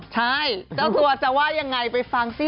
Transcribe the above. ใช่เจ้าตัวจะว่ายังไงไปฟังสิ